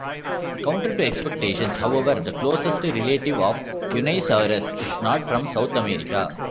Counter to expectations, however, the closest relative of "Unaysaurus" is not from South America.